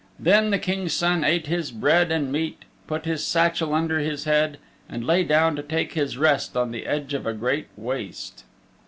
Then the King's Son ate his bread and meat, put his satchel under his head and lay down to take his rest on the edge of a great waste.